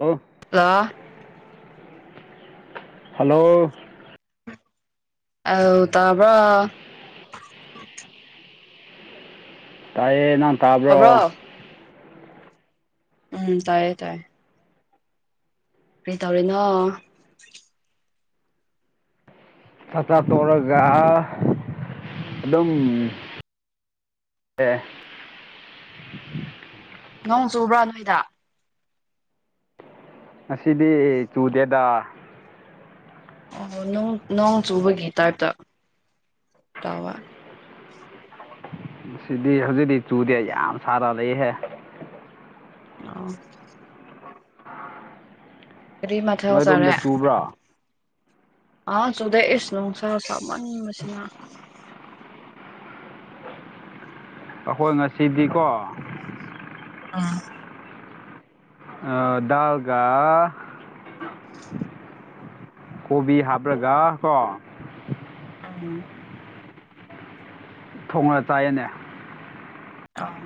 ꯂꯣ hello hello ꯑꯧ ꯇꯕ꯭ꯔꯥ ꯇꯥꯏꯌꯦ ꯅꯪ ꯇꯥꯕ꯭ꯔꯣ ꯎꯝ ꯇꯥꯏꯌꯦ ꯇꯥꯏꯌꯦ ꯀꯔꯤ ꯇꯧꯔꯤꯅꯣ ꯆꯥꯛ ꯆꯥ ꯇꯣꯛꯔꯒ ꯑꯗꯨꯝ ꯑꯦ ꯅꯣꯡ ꯆꯨꯕ꯭ꯔꯥ ꯅꯣꯏꯗ ꯉꯁꯤꯗꯤ ꯆꯨꯗꯦꯗ ꯑꯣ ꯅꯣꯡ ꯅꯣꯡ ꯆꯨꯕꯒꯤ ꯇꯥꯏꯞꯇ ꯇꯋꯥ ꯉꯁꯤꯗꯤ ꯍꯧꯖꯤꯛꯇꯤ ꯆꯨꯗꯦ ꯌꯥꯝ ꯁꯥꯔ ꯂꯩꯍꯦ ꯑꯣ ꯀꯔꯤ ꯃꯊꯦꯜ ꯅꯣꯏ ꯑꯗꯨꯝꯗ ꯆꯥꯔꯦ ꯆꯨꯕ꯭ꯔꯥ ꯑꯥ ꯆꯨꯗꯦ ꯏꯁ ꯅꯨꯡꯁꯥ ꯁꯥꯃꯟꯕꯁꯤꯅ ꯑꯈꯣꯏ ꯉꯁꯤꯗꯤꯀꯣ ꯎꯝ ꯑ ꯗꯥꯎꯒꯥ ꯀꯣꯕꯤ ꯍꯥꯞꯔꯒ ꯀꯣ ꯑꯪ ꯊꯣꯡꯔ ꯆꯥꯏꯌꯦꯅꯦ ꯆꯥꯎ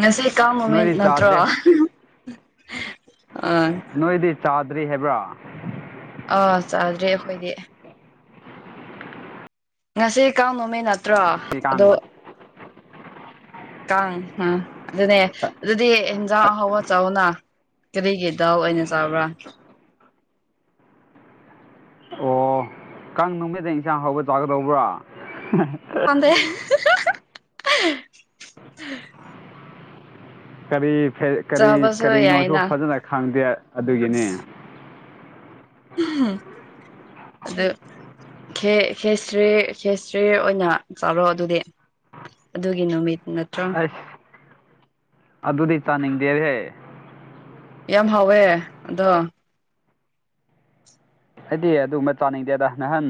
ꯉꯁꯤ ꯀꯥꯡ ꯅꯨꯃꯤꯠ ꯅꯣꯏꯗꯤ ꯅꯠꯇ꯭ꯔꯣ ꯆꯥꯗ꯭ꯔꯦ ꯑ ꯅꯣꯏꯗꯤ ꯆꯥꯗ꯭ꯔꯤ ꯍꯥꯏꯕ ꯑꯥ ꯆꯥꯗ꯭ꯔꯤ ꯑꯩꯈꯣꯏꯗꯤ ꯉꯁꯤ ꯀꯥꯡ ꯅꯨꯃꯤꯠ ꯅꯠꯇ꯭ꯔꯣ ꯀꯥꯡ ꯑꯗꯣ ꯀꯥꯡ ꯑ ꯑꯗꯨꯅꯦ ꯑꯗꯨꯗꯤ ꯏꯟꯖꯥꯡ ꯑꯍꯥꯎꯕ ꯆꯥꯎꯅꯥ ꯀꯔꯤꯒꯤ ꯗꯥꯜ ꯑꯣꯏꯅ ꯆꯥꯕ꯭ꯔꯥ ꯑꯣ ꯀꯥꯡ ꯅꯨꯃꯤꯠꯇ ꯏꯟꯁꯥꯡ ꯑꯍꯥꯎꯕ ꯆꯥꯒꯗꯧꯕ꯭ꯔꯥ ꯗꯦ ꯀꯔꯤ ꯐꯦ ꯀꯔꯤ ꯆꯥꯕꯁꯨ ꯀꯔꯤꯅꯣꯁꯨ ꯌꯥꯏꯅ ꯐꯖꯅ ꯈꯪꯗꯦ ꯑꯗꯨꯒꯤꯅꯦ ꯑꯗꯨ ꯈꯦ ꯈꯦꯆ꯭ꯔꯤ ꯈꯦꯆ꯭ꯔꯤ ꯑꯣꯏꯅ ꯆꯥꯔꯣ ꯑꯗꯨꯗꯤ ꯑꯗꯨꯒꯤ ꯅꯨꯃꯤꯠ ꯅꯠꯇ꯭ꯔꯣ ꯑꯩꯁ ꯑꯗꯨꯗꯤ ꯆꯥꯅꯤꯡꯗꯦꯍꯦ ꯌꯥꯝ ꯍꯥꯎꯋꯦ ꯑꯗꯣ ꯑꯩꯗꯤ ꯑꯗꯨꯝꯕ ꯆꯥꯅꯤꯡꯗꯦꯗ ꯅꯍꯥꯟ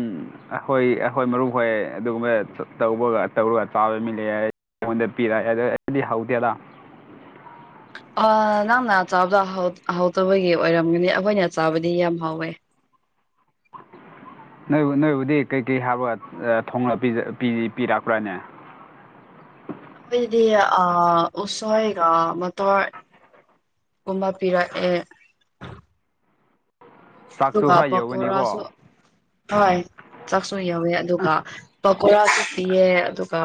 ꯑꯩꯈꯣꯏ ꯑꯩꯈꯣꯏ ꯃꯔꯨꯞ ꯍꯣꯏ ꯑꯗꯨꯒꯨꯝꯕ ꯇꯧꯕꯒ ꯇꯧꯔꯒ ꯆꯥꯕ ꯃꯤ ꯂꯩ ꯍꯥꯢ ꯑꯩꯉꯣꯟꯗ ꯄꯤꯔꯛꯑꯦ ꯑꯗꯣ ꯑꯩꯗꯤ ꯍꯧꯇꯦꯗꯥ ꯑ ꯅꯪꯅ ꯆꯥꯕꯗꯣ ꯍꯥꯎ ꯍꯥꯎꯇꯕꯒꯤ ꯑꯣꯏꯔꯝꯒꯅꯤ ꯑꯩꯈꯣꯏꯅ ꯆꯥꯕꯗꯤ ꯌꯥꯝ ꯍꯥꯎꯋꯦ ꯅꯣꯏꯕꯨ ꯅꯣꯏꯕꯨꯗꯤ ꯀꯩꯀꯩ ꯍꯥꯞꯔꯒ ꯑ ꯊꯣꯡꯂ ꯄꯤꯖ ꯄꯤ ꯄꯤꯔꯛꯄ꯭ꯔꯥꯅꯦ ꯈꯣꯏꯗꯤ ꯑ ꯎꯁꯣꯢꯒ ꯃꯇꯣꯔ ꯀꯨꯝꯕ ꯄꯤꯔꯛꯑꯦ ꯆꯥꯛꯁꯨ ꯑꯗꯨꯒ ꯈꯔ ꯌꯧꯒꯅꯤꯀꯣ ꯄꯀꯣꯔꯥꯁꯨ ꯍꯣꯏ ꯆꯥꯛꯁꯨ ꯌꯧꯋꯦ ꯑꯗꯨꯒ ꯄꯀꯣꯔꯥꯁꯨ ꯄꯤꯌꯦ ꯑꯗꯨꯒ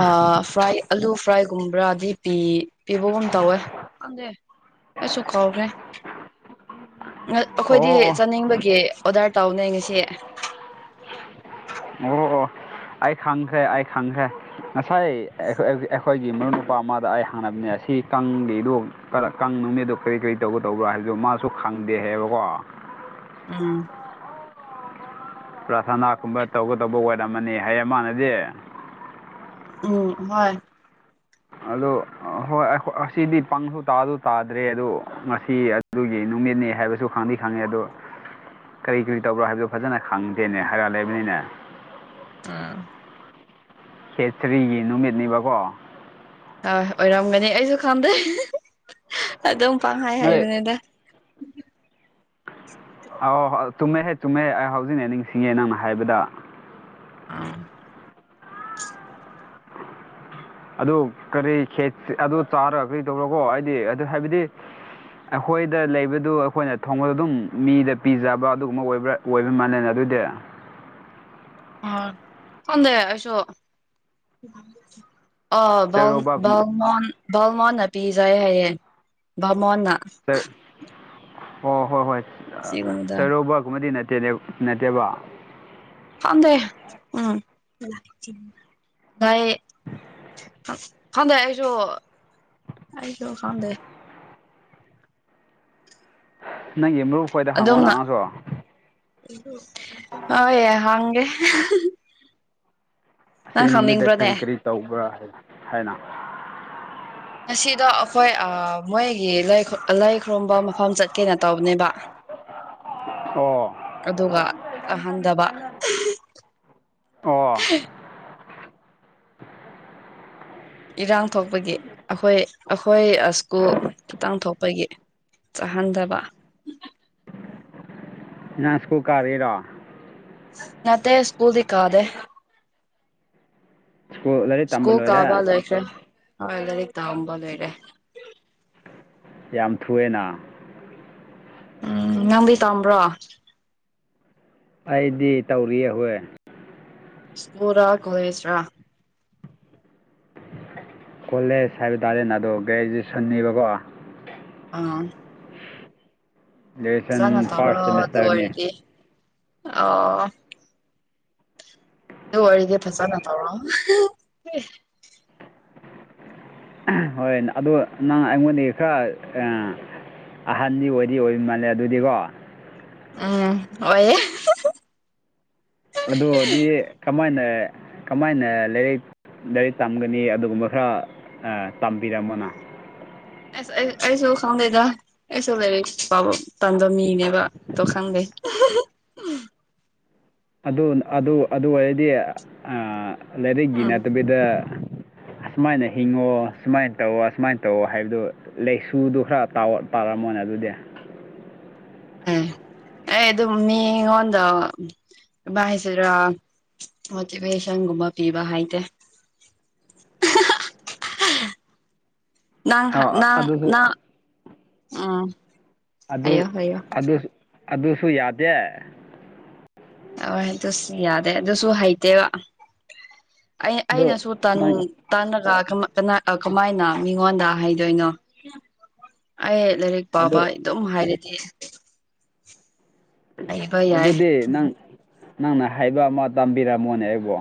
ꯑ ꯐ꯭ꯔꯥꯏ ꯑꯥꯂꯨ ꯐ꯭ꯔꯥꯏꯒꯨꯝꯕ꯭ꯔꯥꯗꯤ ꯄꯤ ꯄꯤꯕꯒꯨꯝ ꯇꯧꯋꯦ ꯈꯪꯗꯦ ꯑꯩꯁꯨ ꯀꯥꯎꯈ꯭ꯔꯦ ꯅꯠ ꯑꯣ ꯑꯩꯈꯣꯏꯗꯤ ꯑꯣ ꯆꯥꯅꯤꯡꯕꯒꯤ ꯑꯣꯗꯔ ꯇꯧꯕꯅꯦ ꯉꯁꯤ ꯉꯧꯔꯣꯑꯣ ꯑꯩꯥ ꯈꯪꯈ꯭ꯔꯦ ꯑꯩꯥ ꯈꯪꯈ꯭ꯔꯦ ꯉꯁꯥꯏ ꯑꯩꯈꯣꯏ ꯑꯧꯖꯤ ꯑꯩꯈꯣꯏꯒꯤ ꯃꯔꯨꯞ ꯅꯨꯄꯥ ꯑꯃꯗ ꯑꯩ ꯍꯪꯅꯕꯅꯦ ꯑꯁꯤ ꯀꯥꯡꯒꯤꯗꯣ ꯀꯔ ꯀꯥꯡ ꯅꯨꯃꯤꯠꯗꯣ ꯀꯔꯤ ꯀꯔꯤ ꯇꯧꯒꯗꯧꯕ꯭ꯔꯥ ꯍꯥꯏꯕꯖꯨ ꯃꯥꯁꯨ ꯈꯪꯗꯦ ꯍꯩꯌꯦꯕꯀꯣ ꯎꯝ ꯄ꯭ꯔꯥꯊꯅꯥꯒꯨꯝꯕ ꯇꯧꯒꯗꯧꯕ ꯑꯣꯢꯔꯝꯃꯅꯤ ꯍꯥꯏꯌꯦ ꯃꯥꯥꯟꯅꯗꯤ ꯎꯝ ꯍꯣꯏ ꯑꯗꯨ ꯍꯣꯏ ꯑꯩꯈꯣ ꯑꯁꯤꯗꯤ ꯄꯪꯁꯨ ꯇꯥꯁꯨ ꯇꯥꯗ꯭ꯔꯦ ꯑꯗꯨ ꯉꯁꯤ ꯑꯗꯨꯒꯤ ꯅꯨꯃꯤꯠꯅꯤ ꯍꯥꯏꯕꯁꯨ ꯈꯪꯗꯤ ꯈꯪꯉꯦ ꯑꯗꯣ ꯀꯔꯤ ꯀꯔꯤ ꯇꯧꯕ꯭ꯔꯥ ꯍꯥꯏꯕꯗꯣ ꯐꯖꯅ ꯈꯪꯗꯦꯅꯦ ꯍꯥꯏꯔ ꯂꯩꯕꯅꯤꯅꯦ ꯑꯥ ꯈꯦꯆ꯭ꯔꯤꯒꯤ ꯅꯨꯃꯤꯠꯅꯦꯕꯀꯣ ꯑ ꯑꯣꯏꯔꯝꯒꯅꯤ ꯑꯩꯁꯨ ꯈꯪꯗꯦ ꯑꯗꯨꯝ ꯄꯥꯡꯍꯥꯏ ꯅꯣꯏ ꯍꯥꯏꯕꯅꯤꯗ ꯑꯧ ꯍꯣ ꯑ ꯆꯨꯝꯃꯦꯍꯦ ꯆꯨꯝꯃꯦꯍꯦ ꯑꯩ ꯍꯧꯖꯤꯛꯅ ꯅꯤꯡꯁꯤꯡꯉꯦ ꯅꯪꯅ ꯍꯥꯏꯕꯗ ꯑꯥ ꯑꯗꯨ ꯀꯔꯤ ꯈꯦꯆ ꯑꯗꯨ ꯆꯥꯔ ꯀꯔꯤ ꯇꯧꯔꯀꯣ ꯍꯥꯏꯗꯤ ꯑꯗꯨ ꯍꯥꯏꯕꯗꯤ ꯑꯩꯈꯣꯏꯗ ꯂꯩꯕꯗꯨ ꯑꯩꯈꯣꯏꯅ ꯊꯣꯡꯕꯗ ꯑꯗꯨꯝ ꯃꯤꯗ ꯄꯤꯖꯕ ꯑꯗꯨꯒꯨꯝꯕ ꯑꯣꯏꯕ꯭ꯔꯥ ꯑꯣꯏꯕ ꯃꯜꯂꯦꯅ ꯑꯗꯨꯗꯤ ꯑꯣ ꯐꯣꯟꯗꯦ ꯑꯩꯁꯨ ꯑꯥ ꯕꯝ ꯆꯩꯔꯥꯎꯕꯒꯨꯝꯕ ꯕꯝꯃꯣꯟ ꯕꯃꯣꯟꯅ ꯄꯤꯖꯩ ꯍꯥꯏꯌꯦ ꯕꯃꯣꯟꯅ ꯑꯣ ꯍꯣꯏ ꯍꯣꯏ ꯑꯥ ꯁꯤꯒꯨꯝꯕꯗ ꯆꯩꯔꯕꯒꯨꯝꯕꯗꯤ ꯅꯠꯇꯦꯅꯦ ꯅꯠꯇꯦꯕ ꯈꯪꯗꯦ ꯎꯝ ꯇꯥꯏꯌꯦ ꯈꯪꯗꯦ ꯑꯩꯁꯨ ꯑꯩꯁꯨ ꯈꯪꯗꯦ ꯅꯪꯒꯤ ꯃꯨꯛ ꯑꯗꯨꯝꯅ ꯇꯥꯏꯌꯦ ꯍꯪꯒꯦ ꯁꯦ ꯅꯪ ꯅꯨꯃꯤꯠꯗ ꯈꯪꯅꯤꯡꯕ꯭ꯔꯅꯦ ꯀꯔꯤ ꯀꯔꯤ ꯇꯧꯕ꯭ꯔꯥ ꯍꯥꯏꯅ ꯉꯁꯤꯗꯣ ꯑꯩꯈꯣꯏ ꯑꯥ ꯃꯣꯏꯒꯤ ꯂꯥꯏ ꯂꯥꯏ ꯈꯨꯔꯨꯝꯕ ꯃꯐꯝ ꯆꯠꯀꯦꯅ ꯇꯧꯕꯅꯦꯕ [inaudible] ꯑꯣ ꯑꯗꯨꯒ ꯆꯥꯍꯟꯗꯕ ꯑꯣ ꯏꯔꯥꯡ ꯊꯣꯛꯄꯒꯤ ꯑꯩꯈꯣꯏ ꯑꯩꯈꯣꯏ ꯁ꯭ꯀꯨꯜ ꯈꯤꯇꯪ ꯊꯣꯛꯄꯒꯤ ꯆꯥꯍꯟꯗꯕ ꯅꯪ ꯁ꯭ꯀꯨꯜ ꯀꯥꯔꯤꯔꯣ ꯅꯠꯇꯦ ꯁ꯭ꯀꯨꯜꯗꯤ ꯀꯥꯗꯦ ꯁ꯭ꯀꯨꯜ ꯂꯥꯏꯔꯤꯛ ꯇꯝꯕ ꯁ꯭ꯀꯣꯜ ꯂꯣꯏꯔꯦ ꯀꯥꯕ ꯂꯣꯏꯈ꯭ꯔꯦ ꯍꯣꯏ ꯂꯥꯏꯔꯤꯛ ꯇꯝꯕ ꯂꯣꯏꯔꯦ ꯌꯥꯝ ꯊꯨꯑꯦꯅ ꯎꯝ ꯅꯪꯗꯤ ꯇꯝꯕ꯭ꯔꯣ ꯑꯩꯗꯤ ꯇꯧꯔꯤꯌꯦ ꯑꯣꯏ ꯁ꯭ꯀꯨꯜꯔ ꯀꯣꯂꯦꯁꯔꯥ ꯀꯣꯂꯦꯖ ꯍꯥꯏꯕ ꯇꯥꯔꯦꯅꯦ ꯑꯗꯣ ꯒ꯭ꯔꯦꯖꯨꯑꯦꯁꯟꯅꯤꯕꯀꯣ ꯑꯥ ꯐꯖꯥꯅ ꯒ꯭ꯔꯦꯖꯨꯑꯦꯁꯟ ꯇꯧꯔꯣ ꯐꯥꯔꯁ ꯑꯗꯨ ꯁꯦꯃꯤꯁꯇꯔꯅꯦ ꯑꯣꯏꯔꯗꯤ ꯑꯣ ꯑꯗꯨ ꯑꯣꯏꯔꯗꯤ ꯐꯖꯅ ꯇꯧꯔꯣ ꯍꯣꯏ ꯑꯗꯣ ꯅꯪ ꯑꯩꯉꯣꯟꯗꯒꯤ ꯈꯔ ꯑꯥ ꯑꯍꯟꯗꯤ ꯑꯣꯏꯗꯤ ꯑꯣꯏ ꯃꯥꯜꯂꯦ ꯑꯗꯨꯗꯤꯀꯣ ꯎꯝ ꯑꯣꯏꯌꯦ ꯑꯗꯨ ꯑꯣꯏꯗꯤ ꯀꯃꯥꯏꯅ ꯀꯃꯥꯏꯅ ꯂꯥꯏꯔꯤꯛ ꯂꯥꯏꯔꯤꯛ ꯇꯝꯒꯅꯤ ꯑꯗꯨꯒꯨꯝꯕ ꯈꯔ ꯑꯥ ꯇꯝꯕꯤꯔꯝꯃꯣꯅ ꯑꯁ ꯑꯩ ꯑꯩꯁꯨ ꯈꯪꯗꯦꯗ ꯑꯩꯁꯨ ꯂꯥꯏꯔꯤꯛ ꯄꯥꯕ ꯇꯟꯕ ꯃꯤꯅꯦꯕ ꯑꯗꯣ ꯈꯣꯗꯦ ꯑꯗꯨ ꯑꯗꯨ ꯑꯗꯨ ꯑꯣꯏꯔꯗꯤ ꯑꯥ ꯂꯥꯏꯔꯤꯛꯒꯤ ꯎꯝ ꯅꯠꯇꯕꯤꯗ ꯑꯁꯨꯃꯥꯏꯅ ꯍꯤꯡꯉꯣ ꯁꯨꯃꯥꯏꯅ ꯇꯧꯋꯣ ꯑꯁꯨꯃꯥꯏꯅ ꯇꯧꯋꯣ ꯍꯥꯏꯕꯗꯨ ꯂꯩꯁꯨꯗꯨ ꯈꯔ ꯇꯥꯑꯣ ꯇꯥꯔꯝꯃꯣꯅꯦ ꯑꯗꯨꯗꯤ ꯎꯝ ꯑꯩ ꯑꯗꯨꯝ ꯃꯤꯉꯣꯟꯗ ꯀꯃꯥꯏ ꯍꯥꯏꯁꯤꯔꯥ ꯃꯣꯇꯤꯕꯦꯁꯟꯒꯨꯝꯕ ꯄꯤꯕ ꯍꯩꯇꯦ ꯅꯪ ꯍ ꯑꯥ ꯅꯪ ꯑꯗꯨꯁꯨ ꯅꯪ ꯎꯝ ꯑꯗꯨ ꯍꯥꯏꯌꯣ ꯍꯥꯏꯌꯣ ꯑꯗꯨ ꯑꯗꯨꯁꯨ ꯌꯥꯗꯦ ꯍꯣꯏ ꯑꯗꯨꯁꯨ ꯌꯥꯗꯦ ꯑꯗꯨꯁꯨ ꯍꯩꯇꯦꯕ ꯑꯩ ꯑꯗꯨ ꯑꯩꯅꯁꯨ ꯇꯟ ꯅꯪ ꯇꯟꯔꯒ ꯀꯃꯥꯏ ꯀꯅꯥ ꯑ ꯀꯃꯥꯏꯅ ꯃꯤꯉꯣꯟꯗ ꯍꯥꯏꯗꯣꯏꯅꯣ ꯑꯩ ꯂꯥꯏꯔꯤꯛ ꯄꯥꯕ ꯑꯗꯨ ꯑꯗꯨꯝ ꯍꯥꯏꯔꯗꯤꯁ ꯌꯥꯏ ꯑꯗꯨꯗꯤ ꯅꯪ ꯅꯪꯅ ꯍꯥꯏꯕ ꯑꯃ ꯇꯝꯕꯤꯔꯝꯃꯣꯅꯦ ꯑꯩꯕꯨ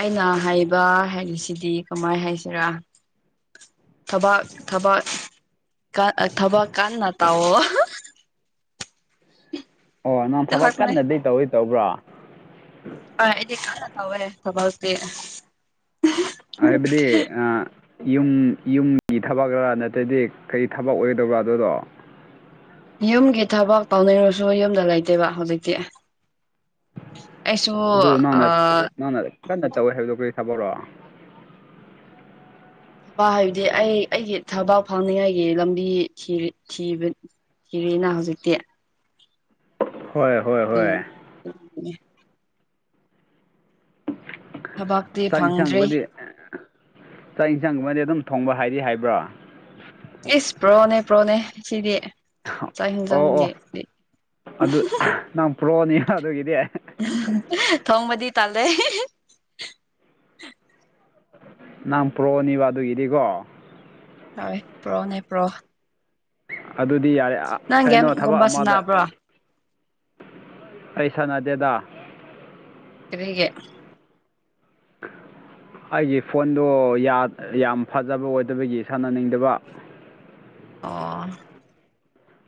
ꯑꯩꯅ ꯍꯩꯕ ꯍꯥꯏꯔꯤꯁꯤꯗꯤ ꯀꯃꯥꯏ ꯍꯥꯏꯁꯤꯔꯥ ꯊꯕꯛ ꯊꯕꯛ ꯀ ꯊꯕꯛ ꯀꯟꯅ ꯇꯧꯑꯣ ꯑꯣ ꯅꯪ ꯑꯗꯨ ꯊꯕꯛ ꯈꯛꯇꯅꯦ ꯀꯟꯅꯗꯤ ꯇꯧꯗꯤ ꯇꯧꯕ꯭ꯔꯣ ꯍꯣꯏ ꯑꯩꯗꯤ ꯀꯥꯟꯅ ꯇꯧꯋꯦ ꯊꯕꯛꯇꯤ ꯍꯥꯏꯕꯗꯤ ꯑꯥ ꯌꯨꯝ ꯌꯨꯝꯒꯤ ꯊꯕꯛꯔꯥ ꯅꯠꯇꯗꯤ ꯀꯩ ꯊꯕꯛ ꯑꯣꯏꯗꯧꯕꯥ ꯑꯗꯨꯗꯣ ꯌꯨꯝꯒꯤ ꯊꯕꯛ ꯇꯧꯅꯤꯡꯔꯁꯨ ꯌꯨꯝꯗ ꯂꯩꯇꯦꯕ ꯍꯧꯖꯤꯛꯇꯤ ꯑꯩꯁꯨ ꯑꯗꯨ ꯑ ꯅꯪꯅ ꯅꯪꯅ ꯀꯟꯅ ꯇꯧꯋꯦ ꯍꯥꯏꯕꯗꯣ ꯀ꯭ꯔꯤ ꯊꯕꯛꯔꯣ ꯊꯕꯥꯛ ꯍꯥꯏꯕꯗꯤ ꯑꯩ ꯑꯩꯒꯤ ꯊꯕꯥꯛ ꯐꯪꯅꯤꯡꯉꯥꯏꯒꯤ ꯂꯝꯕꯤ ꯊꯤ ꯊꯤꯕꯅꯤ ꯀꯔꯤꯅ ꯍꯧꯖꯤꯛꯇꯤ ꯍꯣꯏ ꯍꯣꯏ ꯑꯗꯨ ꯍꯣꯏ ꯊꯕꯥꯛ ꯆꯥꯛ ꯌꯦꯟꯁꯥꯡꯒꯨꯝꯃꯗꯤ ꯆꯥꯛ ꯌꯦꯟꯁꯥꯡꯒꯨꯝꯃꯗꯤ ꯑꯗꯨꯝ ꯊꯣꯡꯕ ꯍꯥꯏꯗꯤ ꯍꯥꯏꯕ꯭ꯔꯣ ꯏꯁ ꯄꯨ꯭ꯔꯣꯅꯦ ꯄꯨ꯭ꯔꯣꯅꯦ ꯁꯤꯗꯤ ꯆꯛ ꯑꯣ ꯑꯣ ꯍꯤꯡꯖꯡꯒꯤꯗꯤ ꯑꯗꯨ ꯅꯪ ꯄ꯭ꯔꯣꯅꯤ ꯑꯗꯨꯒꯤꯗꯤ ꯊꯣꯡꯕꯗꯤ ꯇꯥꯜꯂꯦ ꯅꯪ ꯄ꯭ꯔꯣꯅꯤꯕ ꯑꯗꯨꯒꯤꯗꯤꯀꯣ ꯍꯣꯏ ꯄ꯭ꯔꯣꯅꯦ ꯄ꯭ꯔꯣ ꯑꯗꯨꯗꯤ ꯌꯥꯔꯦ ꯑ ꯅꯪ ꯀꯩꯅꯣ ꯊꯕꯛ ꯒꯦꯝꯒꯨꯝꯕ ꯑꯃꯗ ꯁꯥꯟꯅꯕ꯭ꯔꯣ ꯑꯩ ꯁꯥꯅꯗꯦꯗꯥ ꯀ꯭ꯔꯤꯒꯤ ꯑꯩꯒꯤ ꯐꯣꯟꯗꯣ ꯌꯥꯝ ꯌꯥꯝ ꯐꯖꯕ ꯑꯣꯏꯗꯕꯒꯤ ꯁꯥꯟꯅꯅꯤꯡꯗꯕ ꯑꯣ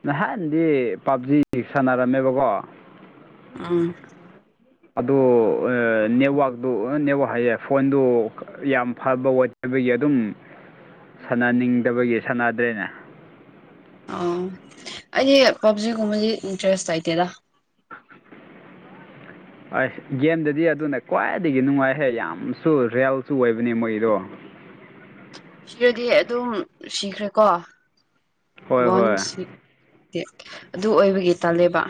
ꯅꯍꯥꯟꯗꯤ ꯄꯞꯖꯤ ꯁꯥꯟꯅꯔꯝꯃꯦꯕꯀꯣ ꯎꯝ ꯑꯗꯨ ꯑ ꯅꯦꯠꯋꯥꯛꯇꯨ ꯅꯦꯠꯋꯥꯛ ꯍꯥꯏꯌꯦꯏ ꯐꯣꯟꯗꯨ ꯌꯥꯝ ꯐꯕ ꯋꯣꯢ ꯍꯥꯏꯕꯒꯤ ꯑꯗꯨꯝ ꯁꯥꯟꯅꯅꯤꯡꯗꯕꯒꯤ ꯁꯥꯟꯅꯗ꯭ꯔꯦꯅꯦ ꯑꯣ ꯑꯩꯗꯤ ꯄꯞꯖꯤ ꯒꯨꯝꯕꯒꯤ ꯏꯟꯇ꯭ꯔꯦꯁ ꯂꯩꯇꯦꯗ ꯑꯁ ꯒꯦꯝꯗꯗꯤ ꯑꯗꯨꯅ ꯈ꯭ꯋꯥꯏꯗꯒꯤ ꯅꯨꯡꯉꯥꯏꯍꯦ ꯌꯥꯝꯁꯨ ꯔꯤꯌꯦꯜꯁꯨ ꯑꯣꯏꯕꯅꯦ ꯃꯣꯏꯗꯣ ꯁꯤꯔꯗꯤ ꯑꯗꯨꯝ ꯁꯤꯈ꯭ꯔꯦꯀꯣ ꯍꯣꯏ ꯋꯥꯟ ꯍꯣꯏ ꯁꯤ ꯑꯗꯨ ꯑꯣꯏꯕꯒꯤ ꯇꯥꯜꯂꯦꯕ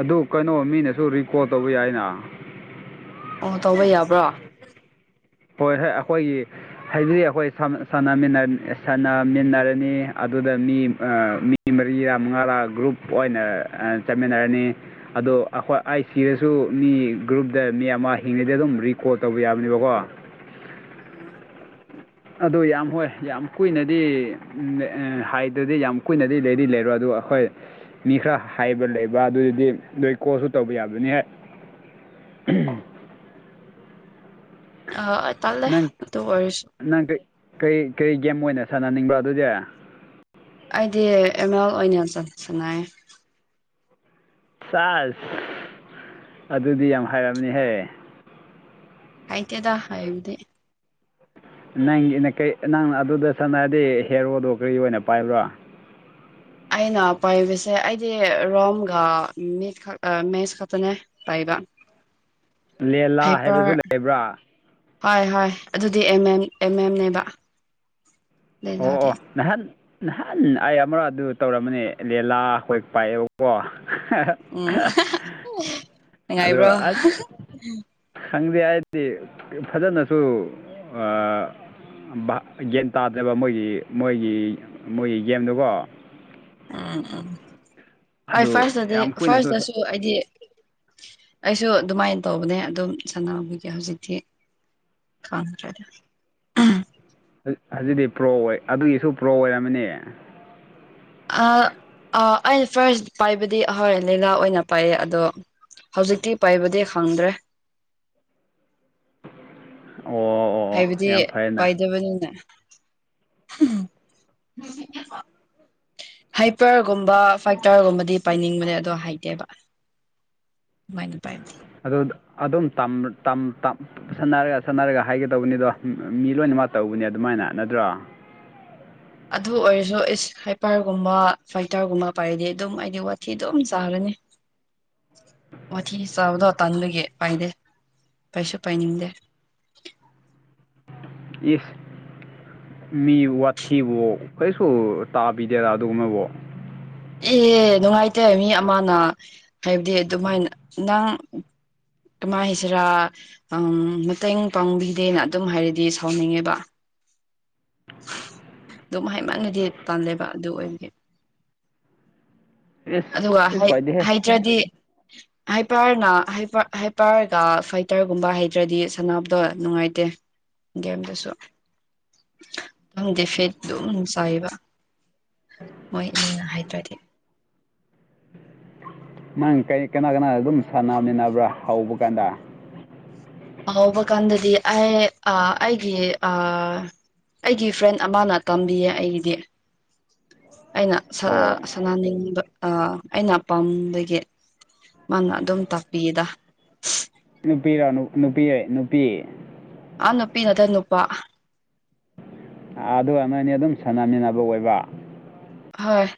ꯑꯗꯨ ꯀꯩꯅꯣ ꯃꯤꯅꯁꯨ ꯔꯤꯀꯣꯜ ꯇꯧꯕ ꯌꯥꯏꯅ ꯑꯣ ꯇꯧꯕ ꯌꯥꯕ꯭ꯔꯣ ꯍꯣꯏ ꯑꯦ ꯑꯈꯣꯏꯒꯤ ꯍꯥꯏꯗꯤ ꯑꯈꯣꯏ ꯁꯥꯟꯅꯁꯥꯟꯅꯃꯤꯟꯅ ꯁꯥꯟꯅꯃꯤꯟꯅꯔꯅꯤ ꯑꯗꯨꯗ ꯃꯤ ꯑ ꯃꯤ ꯃꯤ ꯃꯔꯤꯔꯥ ꯃꯉꯥꯔꯥ ꯒ꯭ꯔꯨꯞ ꯑꯣꯏꯅ ꯑ ꯆꯠꯃꯤꯟꯅꯔꯅꯤ ꯑꯗꯣ ꯑꯈꯣꯏ ꯑꯥꯏ ꯁꯤꯔꯁꯨ ꯃꯤ ꯒ꯭ꯔꯨꯞꯇ ꯃꯤ ꯑꯃ ꯍꯤꯡꯉꯩꯗ ꯑꯗꯨꯝ ꯔꯤꯀꯣꯠ ꯇꯧꯕ ꯌꯥꯕꯅꯦꯕꯀꯣ ꯑꯗꯨ ꯌꯥꯝ ꯍꯣꯏ ꯌꯥꯝ ꯀꯨꯏꯅꯗꯤ ꯎꯝ ꯑ ꯍꯥꯏꯗꯗꯤ ꯌꯥꯝ ꯀꯨꯏꯅꯗꯤ ꯂꯩꯗꯤ ꯂꯩꯔꯣ ꯑꯗꯨ ꯑꯩꯈꯣꯏ ꯃꯤ ꯈꯔ ꯍꯥꯏꯕ ꯂꯩꯕ ꯑꯗꯨꯗꯨꯗꯤ ꯅꯣꯏ ꯀꯣꯁꯨ ꯇꯧꯕ ꯌꯥꯕꯅꯤ [unintelligible] ꯑ ꯑ ꯇꯜꯂꯦ ꯅꯪ ꯑꯗꯨꯑꯣꯢꯔꯁꯨ ꯅꯪ ꯀꯔꯤ ꯀꯔꯤ ꯒꯦꯝ ꯑꯣꯏꯅ ꯁꯥꯟꯅꯅꯤꯡꯕ꯭ꯔꯣ ꯑꯗꯨꯗꯤ ꯑꯩꯗꯤ ꯑꯦꯝ ꯑꯦꯜ ꯑꯣꯏꯅ ꯆꯠ ꯁꯅꯥꯢ ꯆꯥꯁ ꯑꯗꯨꯗꯤ ꯌꯥꯝ ꯍꯥꯏꯔꯝꯅꯤꯍꯦ ꯍꯩꯇꯦꯗ ꯍꯩꯞꯗꯤ ꯅꯪꯒꯤꯅ ꯀꯩ ꯅꯪ ꯑꯗꯨꯗ ꯁꯥꯟꯅꯔꯗꯤ ꯍꯦꯔꯣꯗꯣ ꯀꯔꯤ ꯑꯣꯏꯅ ꯄꯥꯏꯕ꯭ꯔ ꯑꯩꯅ ꯄꯥꯏꯕꯁꯦ ꯑꯩꯗꯤ ꯔꯣꯝꯒ ꯃꯤꯠ ꯈꯛꯇ ꯃꯦꯁ ꯈꯛꯇꯅꯦ ꯄꯥꯏꯕ ꯂꯦꯂꯥ ꯍꯥꯏꯄꯔ ꯍꯥꯏꯕꯗꯨ ꯂꯩꯕ꯭ꯔ ꯍꯣꯏ ꯍꯣꯏ ꯑꯗꯨꯗꯤ ꯑꯦꯝ ꯑꯦꯝ ꯑꯦꯝ ꯑꯦꯝꯅꯦꯕ ꯑꯣ ꯂꯤꯂꯥꯗꯤ ꯑꯣ ꯅꯍꯥꯟ ꯅꯍꯥꯟ ꯑꯩ ꯑꯃꯔꯛ ꯑꯗꯨ ꯇꯧꯔꯝꯕꯅꯤ ꯂꯦꯂꯥ ꯍꯣꯏ ꯄꯥꯏꯑꯦꯕꯀꯣ ꯎꯝ [unintelligible] [unintelligible] ꯑꯗꯣ ꯅꯨꯡꯉꯥꯏꯕ꯭ꯔꯣ ꯑꯁ ꯈꯪꯗꯦ ꯑꯩꯗꯤ ꯐꯖꯅꯁꯨ ꯑ ꯚꯥꯕ ꯌꯥꯟ ꯇꯥꯗꯦꯕ ꯃꯣꯏꯒꯤ ꯃꯣꯏꯒꯤ ꯃꯣꯏꯒꯤ ꯒꯦꯝꯗꯨꯀꯣ [unintelligible] ꯑꯗꯨ ꯌꯥꯝ ꯀꯨꯏꯅꯁꯨ ꯐꯥꯔꯁꯇꯁꯨ ꯑꯩꯗꯤ ꯑꯩꯁꯨ ꯑꯗꯨꯝꯃꯥꯏꯟ ꯇꯧꯕꯅꯦ ꯑꯗꯨꯝ ꯁꯥꯟꯅꯕꯒꯤ ꯍꯧꯖꯤꯛꯇꯤ ꯈꯪꯈ꯭ꯔꯦꯗ [unintelligible] ꯍꯧꯖꯤꯗꯤ ꯄ꯭ꯔꯣ ꯑꯣꯏ ꯑꯗꯨꯒꯤꯁꯨ ꯄ꯭ꯔꯣ ꯑꯣꯏꯔꯝꯃꯅꯤ ꯑꯥ ꯑꯥ ꯑꯩ ꯐꯥꯔꯁ ꯄꯥꯏꯕꯗꯤ ꯑꯩꯍꯣꯏ ꯂꯦꯂꯥ ꯑꯣꯏꯅ ꯄꯥꯏꯌꯦ ꯑꯗꯣ ꯍꯧꯖꯤꯛꯇꯤ ꯄꯥꯏꯕꯗꯤ ꯐꯪꯗ꯭ꯔꯦ ꯑꯣ ꯑꯣ ꯍꯥꯏꯕꯗꯤ ꯌꯥꯝ ꯐꯩꯅ ꯄꯥꯏꯗꯕꯅꯤꯅ [unintelligible] [inaudible] ꯍꯥꯏꯄꯔꯒꯨꯝꯕ ꯐꯥꯏꯇꯔꯒꯨꯝꯕꯗꯤ ꯄꯥꯏꯅꯤꯡꯕꯅꯦ ꯑꯗꯣ ꯍꯩꯇꯦꯕ [unintelligible] ꯄꯥꯏꯞꯗꯤ ꯑꯗꯨ ꯑꯗꯨꯝ ꯇꯝ ꯇꯝ ꯇꯝ ꯁꯥꯟꯅꯔꯒ ꯁꯥꯟꯅꯔꯒ ꯍꯩꯒꯗꯧꯕꯅꯦꯗꫭ ꯃꯤ ꯂꯣꯏꯅꯃꯛ ꯇꯧꯕꯅꯤ ꯑꯗꯨꯝꯃꯥꯏꯅ ꯅꯠꯇ꯭ꯔꯣ ꯑꯗꯨ ꯑꯣꯏꯔꯁꯨ ꯏꯁ ꯍꯥꯏꯄꯔꯒꯨꯝꯕ ꯐꯥꯏꯇꯔꯒꯨꯝꯕ ꯄꯥꯏꯔꯗꯤ ꯑꯗꯨꯝ ꯑꯩꯗꯤ ꯋꯥꯊꯤ ꯑꯗꯨꯝ ꯆꯥꯒꯅꯤ ꯋꯥꯊꯤ ꯆꯥꯕꯗꯣ ꯇꯟꯕꯒꯤ ꯄꯥꯏꯗꯦ ꯄꯥꯏꯁꯨ ꯄꯥꯏꯅꯤꯡꯗꯦ ꯏꯞ ꯃꯤ ꯋꯥꯊꯤꯕꯨ ꯀꯩꯁꯨ ꯇꯥꯕꯤꯗꯦꯔ ꯑꯗꯨꯒꯨꯝꯕꯕꯨ ꯑꯦ ꯅꯨꯡꯉꯥꯏꯇꯦ ꯃꯤ ꯑꯃꯅ ꯍꯥꯏꯞꯗꯤ ꯑꯗꯨꯝꯃꯥꯏꯅ ꯅꯪ ꯀꯃꯥꯏ ꯍꯥꯏꯁꯤꯔ ꯑꯪ ꯃꯇꯦꯡ ꯄꯥꯡꯕꯤꯗꯦꯅ ꯑꯗꯨꯝ ꯍꯥꯏꯔꯗꯤ ꯁꯥꯎꯅꯤꯡꯉꯦꯕ ꯗꯨꯝ ꯍꯥꯏꯃꯟꯂꯗꯤ ꯇꯜꯂꯦꯕ ꯑꯗꯨ ꯑꯣꯏꯕꯒꯤ ꯏꯁ ꯑꯗꯨꯒ ꯀꯩꯁꯨ ꯍꯩ ꯀꯥꯏꯗꯦꯍꯦ ꯍꯩꯇ꯭ꯔꯗꯤ ꯍꯥꯏꯄꯔꯅ ꯍꯥꯏꯄꯔ ꯍꯥꯏꯄꯔꯒ ꯐꯥꯏꯇꯔꯒꯨꯝꯕ ꯍꯩꯇ꯭ꯔꯗꯤ ꯁꯥꯟꯅꯕꯗꯣ ꯅꯨꯡꯉꯥꯏꯇꯦ ꯒꯦꯝꯗꯨꯁꯨ [unintelligible] ꯗꯤꯐꯤꯠ ꯑꯗꯨꯝ ꯆꯥꯏꯕ ꯃꫭꯏ ꯑꯅꯤꯅ ꯍꯩꯇ꯭ꯔꯗꯤ ꯅꯪ ꯀꯔꯤ ꯀꯅꯥ ꯀꯅꯥ ꯑꯗꯨꯝ ꯁꯥꯟꯅꯃꯤꯟꯅꯕ꯭ꯔ ꯍꯧꯕ ꯀꯥꯟꯗ ꯍꯧꯕ ꯀꯥꯟꯗꯗꯤ ꯑꯩ ꯑꯥ ꯑꯩꯒꯤ ꯑꯥ ꯑꯩꯒꯤ ꯐ꯭ꯔꯦꯟ ꯑꯃꯅ ꯇꯝꯕꯤꯌꯦ ꯑꯩꯒꯤꯗꯤ ꯑꯩꯅ ꯁꯥ ꯑꯣ ꯁꯥꯅꯅꯤꯡꯕ ꯑꯥ ꯑꯩꯅ ꯄꯥꯝꯕꯒꯤ ꯃꯥꯅ ꯑꯗꯨꯝ ꯇꯥꯛꯄꯤꯌꯦꯗ ꯅꯨꯄꯤꯔꯣ ꯅꯨꯄꯤ ꯅꯨꯄꯤ ꯑꯥ ꯅꯨꯄꯤ ꯅꯠꯇꯦ ꯅꯨꯄꯥ ꯑꯥ ꯑꯗꯨꯒ ꯅꯣꯏꯅꯤ ꯑꯗꯨꯝ ꯁꯥꯟꯅꯃꯤꯟꯅꯕ ꯑꯣꯏꯕ ꯍꯣꯏ